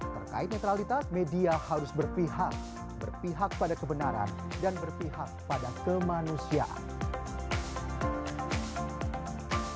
terkait netralitas media harus berpihak berpihak pada kebenaran dan berpihak pada kemanusiaan